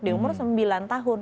dia umur sembilan tahun